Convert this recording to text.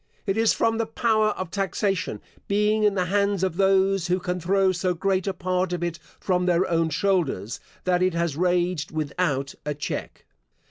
It is from the power of taxation being in the hands of those who can throw so great a part of it from their own shoulders, that it has raged without a check.